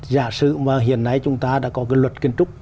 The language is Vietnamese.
giả sử mà hiện nay chúng ta đã có cái luật kiến trúc